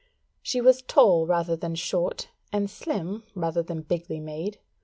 She was tall rather than short, and slim rather than bigly made.